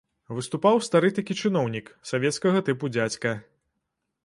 Выступаў стары такі чыноўнік, савецкага тыпу дзядзька.